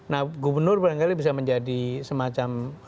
nah gubernur barangkali bisa menjadi semacam